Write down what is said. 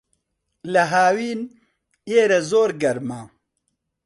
لە ھاوین، ئێرە زۆر گەرمە.